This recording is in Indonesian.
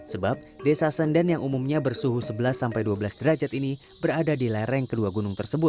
sebab desa sendan yang umumnya bersuhu sebelas sampai dua belas derajat ini berada di lereng kedua gunung tersebut